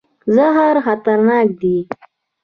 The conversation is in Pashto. زهر خطرناک دی.